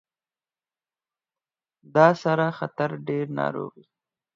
دا سره خطر ډیر ناروغۍ